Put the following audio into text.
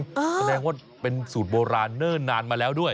แสดงว่าเป็นสูตรโบราณเนิ่นนานมาแล้วด้วย